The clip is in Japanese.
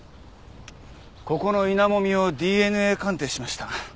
ここの稲もみをＤＮＡ鑑定しました。